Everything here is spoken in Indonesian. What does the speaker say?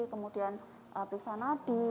kemudian periksa nadi